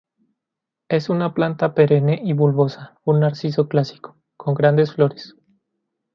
Es una planta perenne y bulbosa, un narciso clásico, con grandes flores.